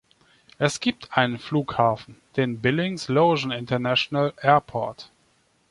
Es gibt einen Flughafen, den Billings Logan International Airport.